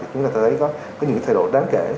chúng ta thấy có những thay đổi đáng kể